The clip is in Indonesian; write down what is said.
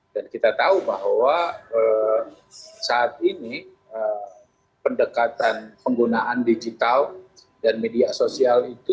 dan kita tahu bahwa saat ini pendekatan penggunaan digital dan media sosial itu